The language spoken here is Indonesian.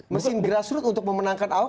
mesin grassroots untuk memenangkan paho